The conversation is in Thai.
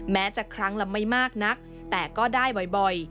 แม้จะครั้งละไม่มากนักแต่ก็ได้บ่อย